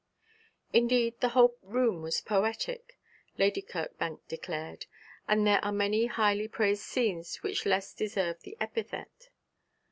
Indeed, the whole room was poetic, Lady Kirkbank declared, and there are many highly praised scenes which less deserve the epithet.